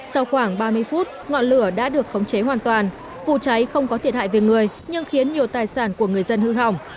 sau khoảng ba mươi phút ngọn lửa đã được khống chế hoàn toàn vụ cháy không có thiệt hại về người nhưng khiến nhiều tài sản của người dân hư hỏng